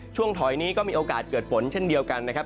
ถอยนี้ก็มีโอกาสเกิดฝนเช่นเดียวกันนะครับ